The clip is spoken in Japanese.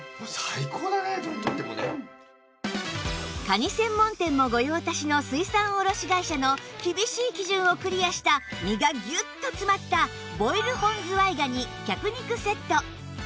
カニ専門店も御用達の水産卸会社の厳しい基準をクリアした身がギュッと詰まったボイル本ズワイガニ脚肉セット